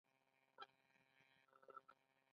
آیا دوی له امریکا سره ښې اړیکې نلري؟